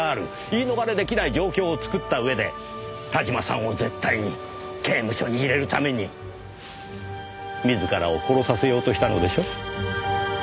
言い逃れ出来ない状況を作った上で田島さんを絶対に刑務所に入れるために自らを殺させようとしたのでしょ？